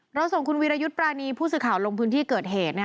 เราส่งคุณวีรยุทธ์ปรานีผู้สื่อข่าวลงพื้นที่เกิดเหตุ